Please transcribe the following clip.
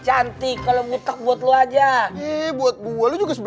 cantik kalo butuh buat lo aja buat frente